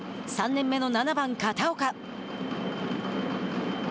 ３年目の７番片岡。